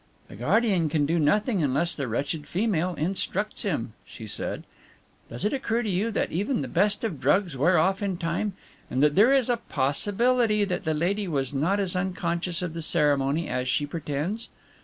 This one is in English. "The guardian can do nothing unless the wretched female instructs him," she said. "Does it occur to you that even the best of drugs wear off in time and that there is a possibility that the lady was not as unconscious of the ceremony as she pretends?